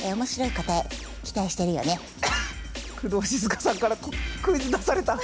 工藤静香さんからクイズ出された。